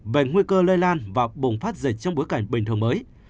về nguy cơ lây lan và bùng phát dịch trong bối cảnh bình thường mới